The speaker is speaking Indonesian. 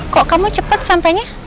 kok kamu cepet sampainya